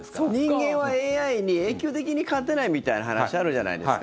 人間はＡＩに永久的に勝てないみたいな話あるじゃないですか。